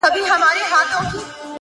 ورکه لالیه چي ته تللی يې خندا تللې ده!!